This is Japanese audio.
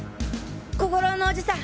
小五郎のおじさん！